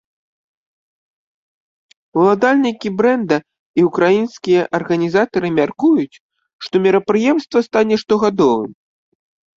Уладальнікі брэнда і ўкраінскія арганізатары мяркуюць, што мерапрыемства стане штогадовым.